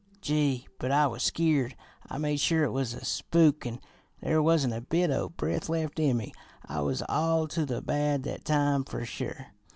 Gee, but I was skeered! I made sure it was a spook, an' there wasn't a bit o' breath left in me. I was all to the bad that time fer sure.